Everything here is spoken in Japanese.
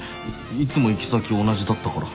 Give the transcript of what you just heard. いつも行き先同じだったから。